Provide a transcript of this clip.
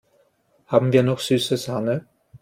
Haben wir noch süße Sahne?